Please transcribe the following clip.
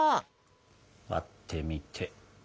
割ってみて。